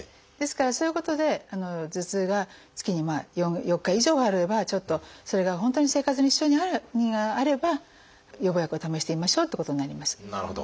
ですからそういうことで頭痛が月に４日以上あればちょっとそれが本当に生活に支障があれば予防薬を試してみましょうっていうことになります。